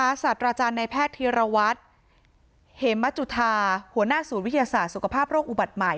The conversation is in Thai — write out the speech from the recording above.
คุณหมอสัตว์ราชาญในแพทย์ทีระวัติเฮมมัจุธาหัวหน้าสูตรวิทยาศาสตร์สุขภาพโรคอุบัติใหม่